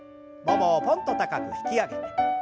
ももをぽんと高く引き上げて。